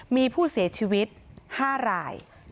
มีผู้เสียชีวิต๕ราย